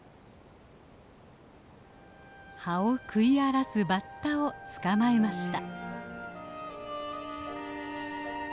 葉を食い荒らすバッタを捕まえました。